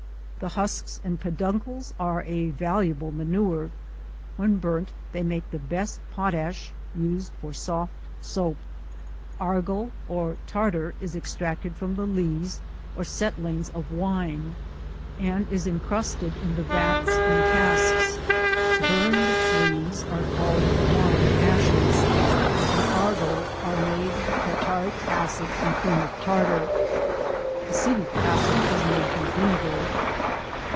The husks and peduncles are a va luable manure. When burnt, they make the best Pot ash used for soft soap. Argol or Tartar is extracted from the lees or settlings of Wine, and is incrusted In the 28 VITIS, OR vats and casks : burned lees are called Wine ashes. From Argol are made tartaric acid and cream of tartar. Acetic acid is made from vinegar.